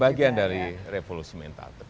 bagian dari revolusi mental